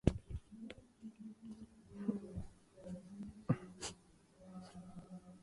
دوسری جماعت کو منتقل کرنے میں کامیاب ہو گئے۔